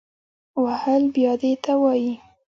وهل بیا دې ته وایي